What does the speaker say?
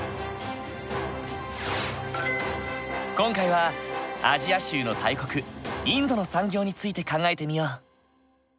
今回はアジア州の大国インドの産業について考えてみよう。